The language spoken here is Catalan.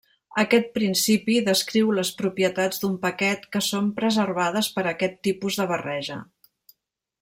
Aquest principi descriu les propietats d'un paquet que són preservades per aquest tipus de barreja.